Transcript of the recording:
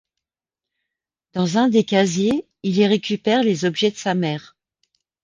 Dans un des casiers, il y récupère les objets de sa mère.